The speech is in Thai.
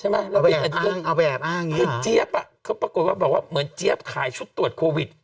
เอาแบบอ้างนี้หรอเอาแบบอ้างนี้เจี๊ยบเขาปรากฎว่าเพราะว่าเจี๊ยบขายชุดตรวจโควิด